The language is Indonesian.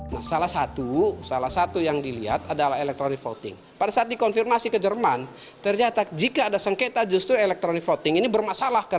pilih l ceo dari pelengkapan electris